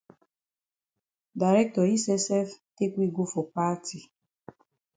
Director yi sef sef take we go for party.